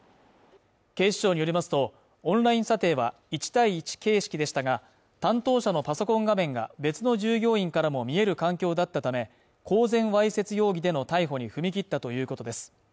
警視庁によりますと、オンライン査定は１対１形式でしたが、担当者のパソコン画面が別の従業員からも見える環境だったため、公然わいせつ容疑での逮捕に踏み切ったということです。